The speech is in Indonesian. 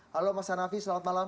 halo mas hanafi selamat malam